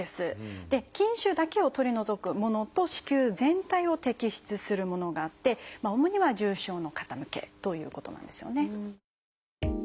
筋腫だけを取り除くものと子宮全体を摘出するものがあって主には重症の方向けということなんですよね。